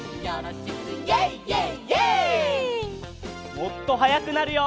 もっとはやくなるよ。